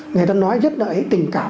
người ta nói rất là tình cảm